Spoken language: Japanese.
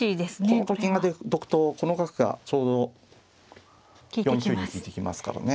このと金がどくとこの角がちょうど４九に利いてきますからね。